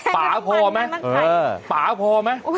ป๋าพอมั้ยป๋าพอมั้ย